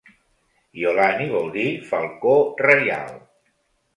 Iolani vol dir falcó reial.